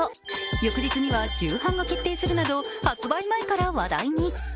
翌日には重版が決定するなど発売前から話題に。